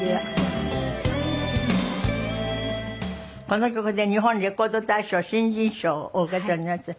この曲で日本レコード大賞新人賞をお受け取りになって。